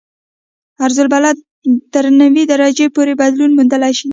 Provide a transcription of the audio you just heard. عرض البلد تر نوي درجو پورې بدلون موندلی شي